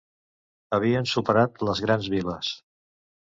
Havien superat les grans viles.